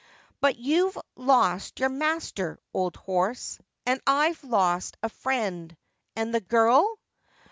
But you've lost your master, old horse ; and I've lost a friend : and the girl